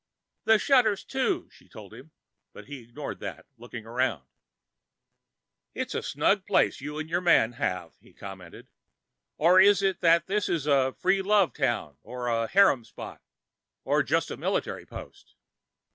"The shutters, too," she told him, but he ignored that, looking around. "It's a snug enough place you and your man have," he commented. "Or is it that this is a free love town or a harem spot, or just a military post?"